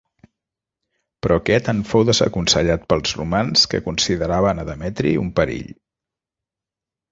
Però aquest en fou desaconsellat pels romans que consideraven a Demetri un perill.